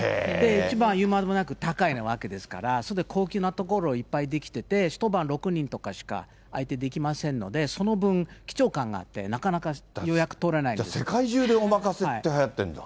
一番言うまでもなく高いわけですから、それで高級な所いっぱい出来ていて、一晩６人しか相手できませんので、その分、貴重感があって、じゃあ世界中でおまかせってはやっているんだ。